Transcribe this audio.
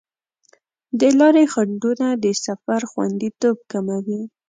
د لارې خنډونه د سفر خوندیتوب کموي.